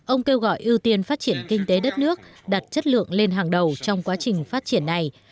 ông kêu gọi ưu tiên phát triển kinh tế đất nước đặt chất lượng lên hàng đầu trong quá trình phát triển này